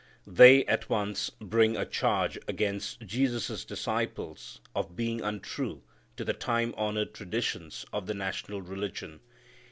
They at once bring a charge against Jesus' disciples of being untrue to the time honored traditions of the national religion.